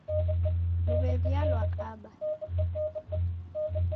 Luw'ew'ia lwakaba.